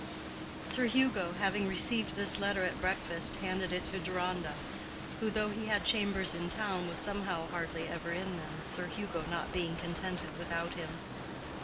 Sir Hugo, having received this letter at breakfast, handed it to Deronda, who, though he had chambers in town, was somehow hardly ever in them, Sir Hugo not being contented without him.